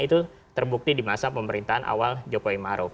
itu terbukti di masa pemerintahan awal jokowi maruf